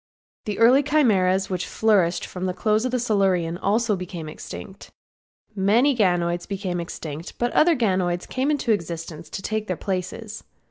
The early Chimeras which flourished from close of Silurian also became extinct. Many ganoids became extinct, but other ganoids came into existence to take their places.